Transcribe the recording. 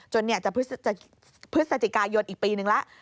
จนเนี่ยจะพฤศจิกายนปีนึงละ